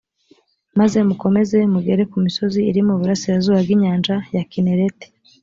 maze mukomeze mugere ku misozi iri mu burasirazuba bw’inyanja ya kinereti,